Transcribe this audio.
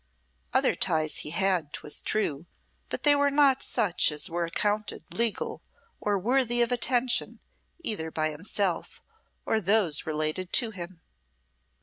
Other ties he had, 'twas true, but they were not such as were accounted legal or worthy of attention either by himself or those related to him.